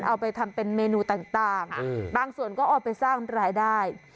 เอาไปทำเป็นเมนูต่างบางส่วนก็เอาไปสร้างรายได้